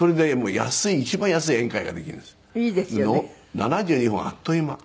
７２本あっという間。